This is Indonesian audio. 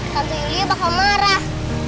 tantu yuliu bakal marah